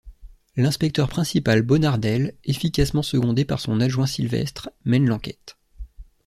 L'inspecteur principal Bonnardel, efficacement secondé par son adjoint Sylvestre, mène l'enquête.